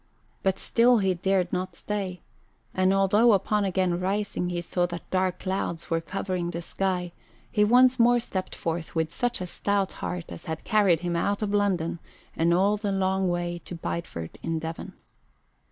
But still he dared not stay, and although upon again arising he saw that dark clouds were covering the sky, he once more stepped forth with such a stout heart as had carried him out of London and all the long way to Bideford in Devon.